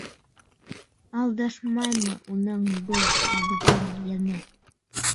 Алдашмаймы уның был аҙғын йәне?